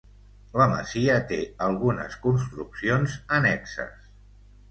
La masia té algunes construccions annexes.